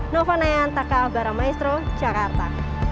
nova nayantaka barang maestro jakarta